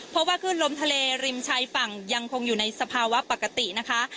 เพราะว่าขึ้นลมทะเลริมชายฝั่งยังคงอยู่ในสภาวะปกตินะคะ